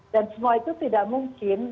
semua itu tidak mungkin